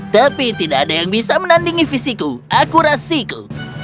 tapi tidak ada yang bisa menandingi fisikku akurasiku